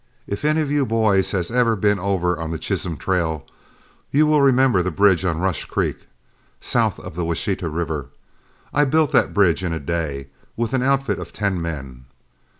If any of you boys has ever been over on the Chisholm trail, you will remember the bridge on Rush Creek, south of the Washita River. I built that bridge in a day with an outfit of ten men.